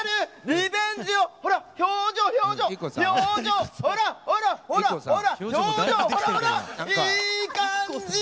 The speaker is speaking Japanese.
リベンジを、表情、表情、表情、ほら、ほら、ほら、表情、ほらほら、いい感じ！